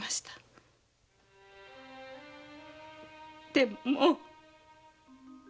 でももう！